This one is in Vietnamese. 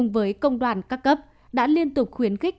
và các cấp đã liên tục khuyến khích